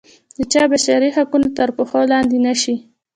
د چا بشري حقوق تر پښو لاندې نه شي.